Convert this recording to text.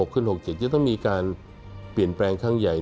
ขึ้น๖๗จะต้องมีการเปลี่ยนแปลงครั้งใหญ่